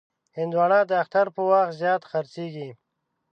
هندوانه د اختر پر وخت زیات خرڅېږي.